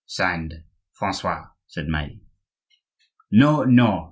"Signed 'Francois,'" said Maille. "No, no!"